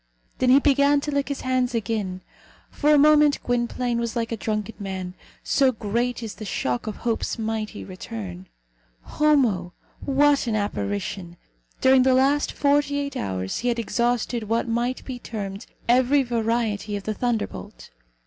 Then he began to lick his hands again. For a moment Gwynplaine was like a drunken man, so great is the shock of Hope's mighty return. Homo! What an apparition! During the last forty eight hours he had exhausted what might be termed every variety of the thunder bolt.